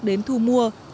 đến thu mua